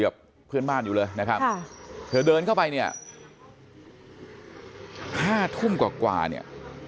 กับเพื่อนบ้านอยู่เลยนะครับเธอเดินเข้าไปเนี่ยห้าทุ่มกว่าเนี่ย